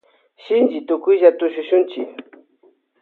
Shinchi tukuylla tushuchunchi.